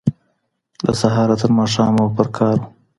له سهاره ترماښامه به پر کار و